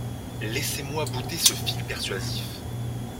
Laissez-moy bouter ce fil persuasif !